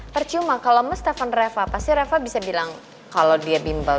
percuma kalau mas telepon reva pasti reva bisa bilang kalau dia bimbal